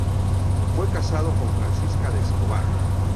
Fue casado con Francisca de Escobar.